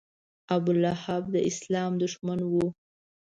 ابولهب د اسلام دښمن و.